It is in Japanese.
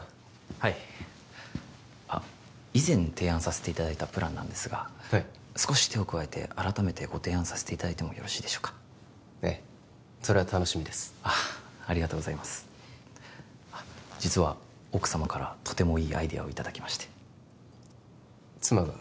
はいあ以前提案させていただいたプランなんですがはい少し手を加えて改めてご提案させていただいてもよろしいでしょうかええそれは楽しみですあありがとうございますあっ実は奥様からとてもいいアイデアをいただきまして妻が？